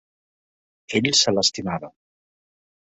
Ell se l'estimava.